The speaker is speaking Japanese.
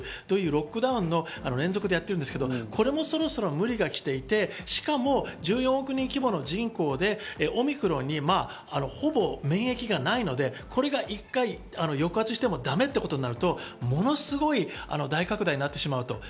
そういうロックダウンの連続でやってるんですけど、これもそろそろ無理がきていて、しかも１４億人規模の人口でオミクロンにほぼ免疫がないので、これが一回抑圧してもだめということになると、ものすごい大拡大になってしまう。